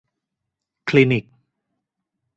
คลินิก